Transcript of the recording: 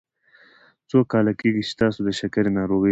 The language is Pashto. څو کاله کیږي چې تاسو د شکرې ناروغي لری؟